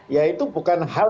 ya itu bukan hal